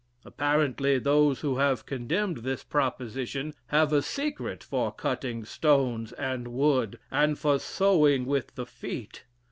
Apparently those who have condemned this proposition, have a secret for cutting stones and wood, and for sewing with the feet....